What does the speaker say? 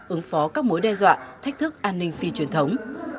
ứng phó các mối đe dọa thách thức an ninh phi truyền thống